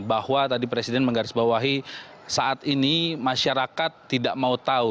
bahwa tadi presiden menggarisbawahi saat ini masyarakat tidak mau tahu